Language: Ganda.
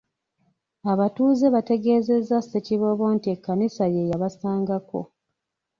Abatuuze bategeezezza Ssekiboobo nti Ekkanisa ye yabasangako.